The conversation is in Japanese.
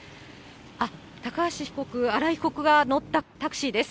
あっ、高橋被告、荒井被告が乗ったタクシーです。